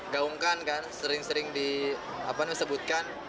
gaungkan kan sering sering di apa namanya sebutkan